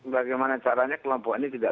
bagaimana caranya kelompok ini tidak